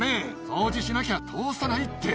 掃除しなきゃ通さないって。